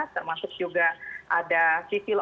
termasuk juga ada civil office